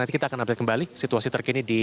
nanti kita akan update kembali situasi terkini di